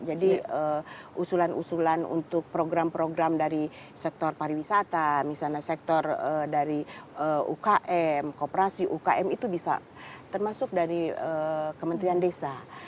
jadi usulan usulan untuk program program dari sektor pariwisata misalnya sektor dari ukm kooperasi ukm itu bisa termasuk dari kementerian desa